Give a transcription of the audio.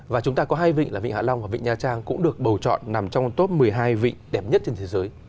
và chúng ta có hai vị là vịnh hạ long và vịnh nha trang cũng được bầu chọn nằm trong top một mươi hai vị đẹp nhất trên thế giới